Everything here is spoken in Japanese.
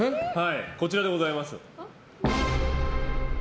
こちらでございます。